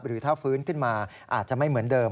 หรือถ้าฟื้นขึ้นมาอาจจะไม่เหมือนเดิม